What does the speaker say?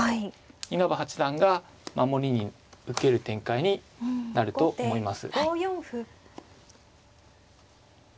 稲葉八段が守りに受ける展開になると思います。